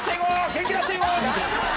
元気出していこう！